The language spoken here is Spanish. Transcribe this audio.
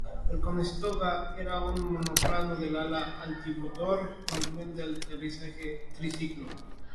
El "Conestoga" era un monoplano de ala alta bimotor con tren de aterrizaje triciclo.